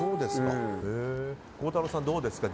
孝太郎さん、どうですか？